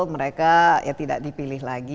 mereka ya tidak dipilih lagi